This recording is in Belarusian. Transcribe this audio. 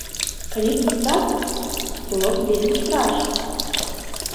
Калі б не так, было б вельмі страшна.